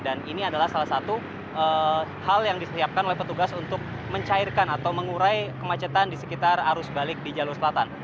dan ini adalah salah satu hal yang disiapkan oleh petugas untuk mencairkan atau mengurai kemacetan di sekitar arus balik di jalur selatan